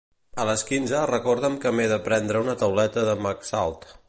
A les quinze recorda'm que m'he de prendre una tauleta de Maxalt.